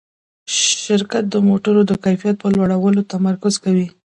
شرکت د موټرو د کیفیت په لوړولو تمرکز کوي.